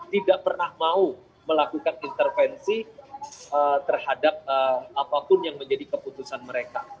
tidak pernah mau melakukan intervensi terhadap apapun yang menjadi keputusan mereka